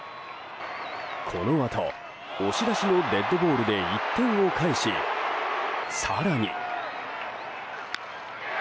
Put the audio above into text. このあと、押し出しのデッドボールで１点を返し更に。